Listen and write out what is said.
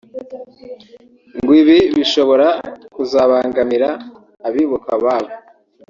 ngo ibi bishobora kuzabangamira abibuka ababo